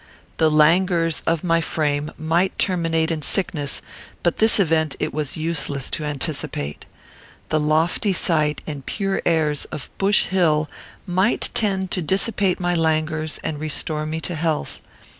The languors of my frame might terminate in sickness, but this event it was useless to anticipate. The lofty site and pure airs of Bush Hill might tend to dissipate my languors and restore me to health.